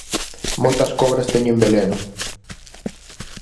Moitas cobras teñen veleno.